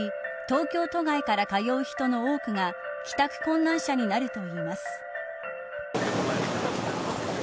東京都外から通う人の多くが帰宅困難者になるといいます。